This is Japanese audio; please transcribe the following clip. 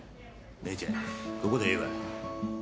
姉ちゃんここでええわ。